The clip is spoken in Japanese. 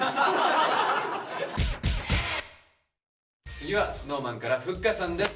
次はＳｎｏｗＭａｎからフッカさんです。